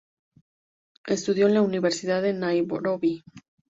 Estudió en la Universidad de Nairobi.